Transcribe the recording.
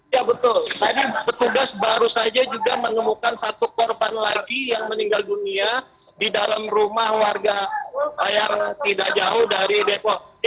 ya betul tadi petugas baru saja juga menemukan satu korban lagi yang meninggal dunia di dalam rumah warga yang tidak jauh dari depok